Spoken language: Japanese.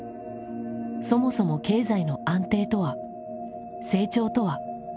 そもそも経済の「安定」とは「成長」とは。